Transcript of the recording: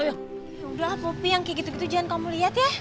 aduh kopi yang kayak gitu gitu jangan kamu lihat ya